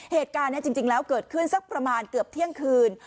เหตุการณ์นี้จริงแล้วเกิดขึ้นสักประมาณเกือบเที่ยงคืน